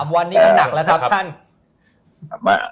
วันนี้ก็หนักแล้วครับท่าน